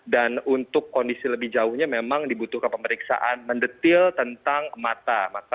dan untuk kondisi lebih jauhnya memang dibutuhkan pemeriksaan mendetil tentang mata